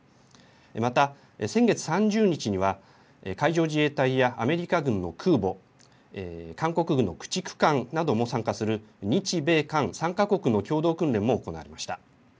また先月３０日には海上自衛隊やアメリカ軍の空母、韓国軍の駆逐艦なども参加する日米韓３か国の共同訓練も行われました。